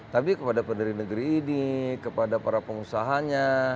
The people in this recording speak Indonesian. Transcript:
tapi kepada pendiri negeri ini kepada para pengusahanya